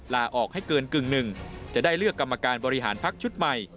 ลาออกให้เกินกึ่งหนึ่งจะได้เลือกกรรมการบริหารพักชุดใหม่